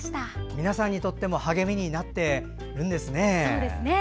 皆さんにとっても励みになっているんですね